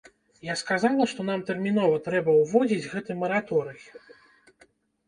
Я сказала, што нам тэрмінова трэба ўводзіць гэты мараторый.